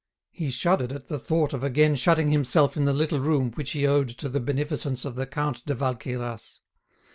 He shuddered at the thought of again shutting himself in the little room which he owed to the beneficence of the Count de Valqueyras.